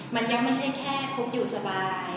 มันยังไม่ใช่แค่คุกอยู่สบาย